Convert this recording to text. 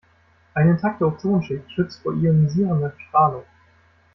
Eine intakte Ozonschicht schützt vor ionisierender Strahlung.